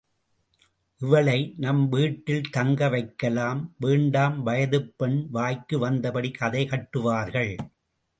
இவளை நம் வீட்டில் தங்க வைக்கலாம். வேண்டாம் வயதுப் பெண் வாய்க்கு வந்தபடி கதை கட்டுவார்கள்.